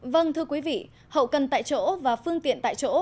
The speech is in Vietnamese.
vâng thưa quý vị hậu cần tại chỗ và phương tiện tại chỗ